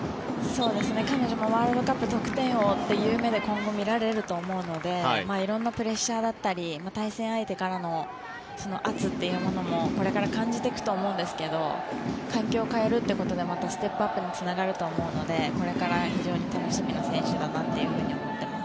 彼女もワールドカップ得点王という目で今後見られると思うので色んなプレッシャーだったり対戦相手からの圧というものもこれから感じていくと思うんですけど環境を変えることでまたステップアップにつながると思うのでこれから非常に楽しみな選手だなと思っています。